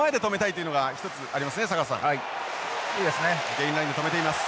ゲインラインで止めています。